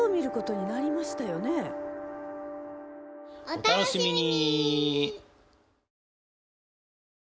お楽しみに！